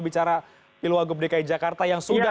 bicara ilmu agung dki jakarta yang sudah